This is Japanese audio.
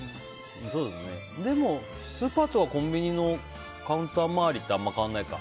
でも、スーパーとかコンビニのカウンター周りってあんまり変わらないか。